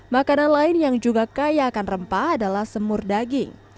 makanan lain yang juga kayakan rempah adalah semur daging